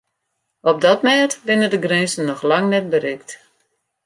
Op dat mêd binne de grinzen noch lang net berikt.